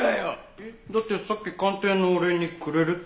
えっ？だってさっき鑑定のお礼にくれるって。